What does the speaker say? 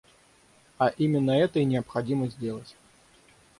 А именно это и необходимо сделать.